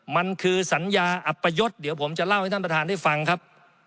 มันคือสัญญาอัปยศเดี๋ยวผมจะเล่าให้ท่านประธานได้ฟังครับ